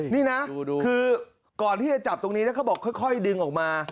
นี่นะคือก่อนที่จะจับตรงนี้แล้วเขาบอกค่อยดึงออกมา